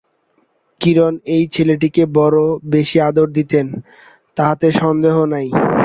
কিরণ এই ছেলেটিকে বড়ো বেশি আদর দিতেন, তাহাতে সন্দেহ নাই।